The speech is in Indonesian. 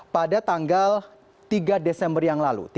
pada tanggal tiga desember yang lalu